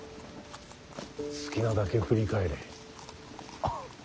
好きなだけ振り返れ。